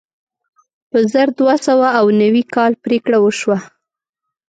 په زر دوه سوه اوه نوي کال پرېکړه وشوه.